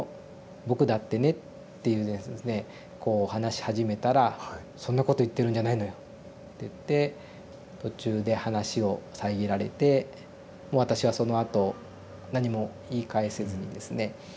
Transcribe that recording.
僕だってね」ってこう話し始めたら「そんなこと言ってるんじゃないのよ」っていって途中で話を遮られて私はそのあと何も言い返せずにですね